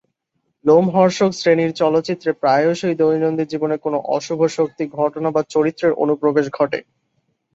লোমহর্ষক শ্রেণীর চলচ্চিত্রে প্রায়শই দৈনন্দিন জীবনে কোনও অশুভ শক্তি, ঘটনা বা চরিত্রের অনুপ্রবেশ ঘটে।